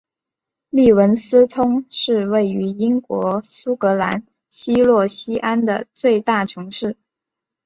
利文斯通是位于英国苏格兰西洛锡安的最大城市。